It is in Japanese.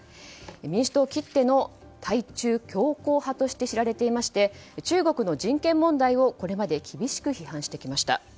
民主党きっての対中強硬派として知られていて中国の人権問題をこれまで厳しく批判してきました。